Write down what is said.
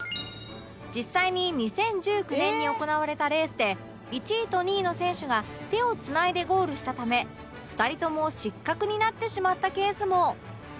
実際に２０１９年に行われたレースで１位と２位の選手が手を繋いでゴールしたため２人とも失格になってしまったケースも